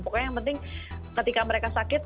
pokoknya yang penting ketika mereka sakit